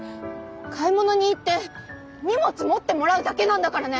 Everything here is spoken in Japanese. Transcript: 買い物に行って荷物持ってもらうだけなんだからね！